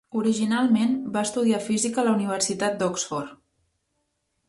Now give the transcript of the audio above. Originalment va estudiar física a la Universitat d'Oxford.